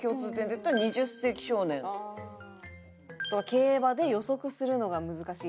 競馬で予測するのが難しいとか？